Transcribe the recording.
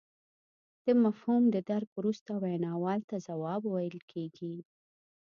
د مفهوم د درک وروسته ویناوال ته ځواب ویل کیږي